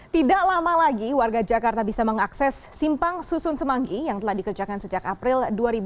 tidak lama lagi warga jakarta bisa mengakses simpang susun semanggi yang telah dikerjakan sejak april dua ribu dua puluh